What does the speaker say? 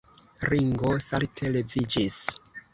Ringo salte leviĝis.